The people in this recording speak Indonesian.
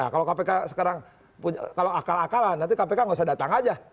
kalau kpk sekarang kalau akal akalan nanti kpk nggak usah datang aja